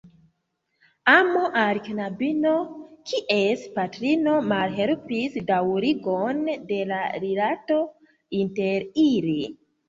Amo al knabino, kies patrino malhelpis daŭrigon de la rilato inter ili.